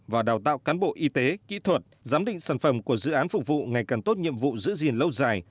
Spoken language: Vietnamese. và đào tạo cán bộ y tế kỹ thuật giám định sản phẩm của dự án phục vụ ngày càng tốt nhiệm vụ giữ gìn lâu dài